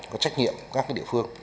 có trách nhiệm các địa phương